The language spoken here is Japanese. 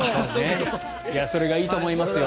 それがいいと思いますよ。